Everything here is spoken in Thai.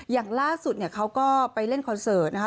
อย่างล่าสุดเนี่ยเขาก็ไปเล่นคอนเสิร์ตนะคะ